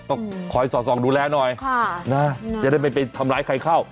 คอยสอดส่องดูแลหน่อยจะได้ไม่ไปทำร้ายใครเข้า